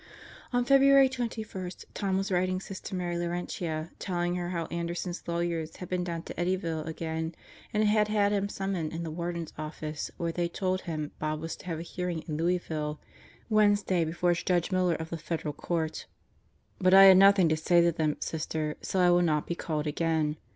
... On February 21 Tom was writing Sister Mary Laurentia, telling her how Anderson's lawyers had been down to Eddyville again and had had him summoned to the Warden's office where they told him Bob was to have a hearing in Louisville Wednes day before Judge Miller of the Federal Court. "But I had nothing to say to them, Sister, so I will not be called again.